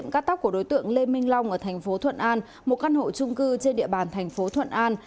cắt tóc của đối tượng lê minh long ở thành phố thuận an một căn hộ trung cư trên địa bàn thành phố thuận an